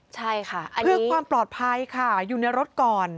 ใช่ค่ะเพื่อความปลอดภัยค่ะอยู่ในรถก่อน